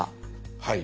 はい。